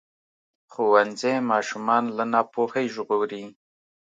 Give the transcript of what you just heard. ښوونځی ماشومان له ناپوهۍ ژغوري.